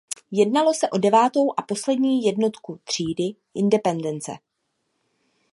Jednalo se o devátou a poslední jednotku třídy "Independence".